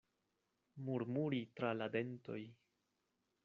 Murmuri tra la dentoj.